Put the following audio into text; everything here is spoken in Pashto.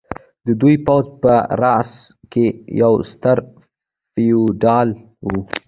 د دې پوځ په راس کې یو ستر فیوډال و.